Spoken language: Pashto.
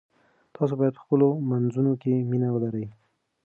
تاسو باید په خپلو منځونو کې مینه ولرئ.